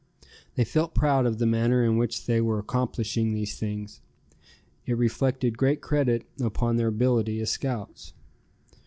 They felt proud of the manner in which they were accomplishing these things. It reflected great credit upon their ability as scouts.